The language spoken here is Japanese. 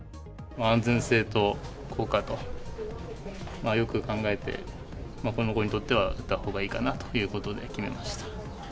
安全性と効果と、よく考えて、この子にとっては打ったほうがいいかなということで、決めました。